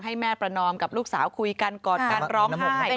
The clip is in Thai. ให้แม่ประนอมกับลูกสาวคุยกันกอดกันร้องหกให้กัน